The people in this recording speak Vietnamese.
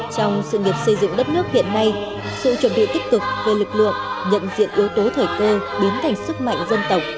trong sự nghiệp xây dựng đất nước hiện nay sự chuẩn bị tích cực về lực lượng nhận diện yếu tố thời cơ biến thành sức mạnh dân tộc